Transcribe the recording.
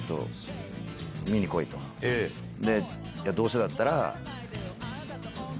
どうせだったら。